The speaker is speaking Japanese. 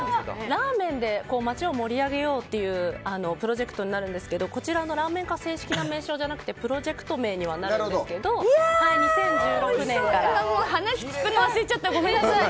ラーメンで街を盛り上げようというプロジェクトになるんですけどこちらのラーメン課は正式な名称ではなくてプロジェクト名にはなるんですが話聞くの忘れちゃったごめんなさい。